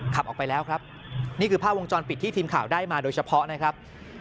ขับออกไปแล้วครับนี่คือภาพวงจรปิดที่ทีมข่าวได้มาโดยเฉพาะนะครับ